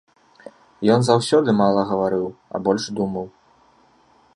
Ён заўсёды мала гаварыў, а больш думаў.